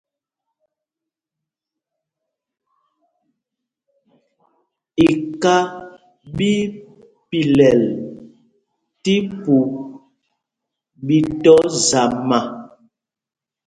Iká ɓí í pilɛl tí pûp ɓi tɔ zama.